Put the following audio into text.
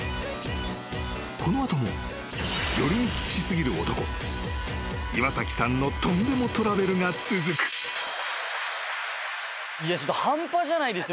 ［この後も寄り道し過ぎる男岩崎さんのとんでもトラベルが続く］半端じゃないですね。